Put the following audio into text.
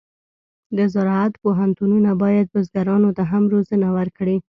د زراعت پوهنتونونه باید بزګرانو ته هم روزنه ورکړي.